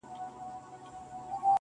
هغوی سم تتلي دي خو بيرته سم راغلي نه دي,